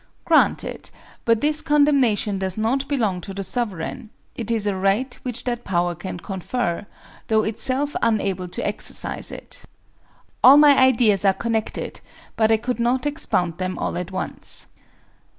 Granted; but this condemnation does not belong to the sovereign; it is a right which that power can confer, though itself unable to exercise it. All my ideas are connected, but I could not expound them all at once.